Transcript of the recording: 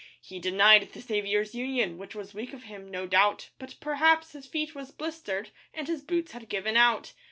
He denied the Saviour's union, Which was weak of him, no doubt; But perhaps his feet was blistered And his boots had given out.